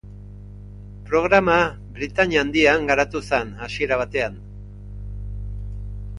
Programa Britania Handian garatu zen hasera batean.